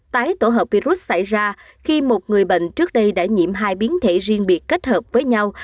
tái tổ hợp virus xảy ra khi một người bệnh trước đây đã nhiễm hai biến thể riêng biệt kết hợp với nhau